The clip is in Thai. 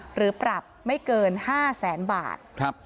หรือปรับไม่เกิน๕๐๐๐๐๐บาท